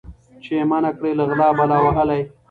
چي یې منع کړي له غلا بلا وهلی